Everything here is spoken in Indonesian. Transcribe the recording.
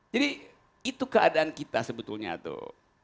jadi itu keadaan kita sebetulnya tuh